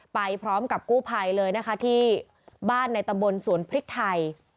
ไปพร้อมกับกู้ภัยเลยนะคะที่บ้านในตำบลสวนพริกไทย